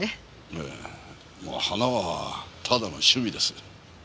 ええまあ花はただの趣味です。